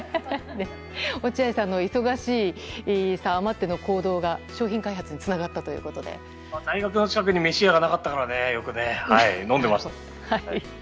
落合さんの忙しさあまっての行動が商品開発につながったということで大学の近くに飯屋がなかったからよく飲んでました。